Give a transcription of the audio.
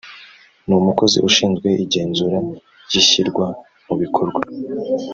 n Umukozi ushinzwe igenzura ry ishyirwa mu bikorwa